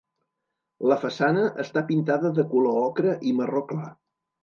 La façana està pintada de color ocre i marró clar.